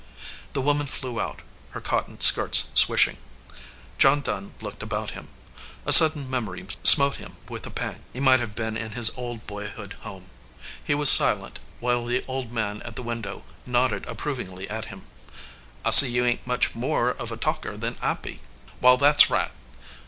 The woman flew out, her cotton skirts swishing. John Dunn looked about him. A sudden memory smote him with a pang. He might have been in his old boyhood home. He sat silent, while the old man at the window 291 EDGEWATER PEOPLE nodded approvingly at him. "I see you ain t much more of a talker than I be," he said. "Wall, that s right.